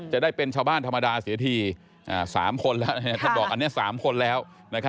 จะได้เป็นชาวบ้านธรรมดาเสียที๓คนแล้วท่านบอกอันนี้๓คนแล้ว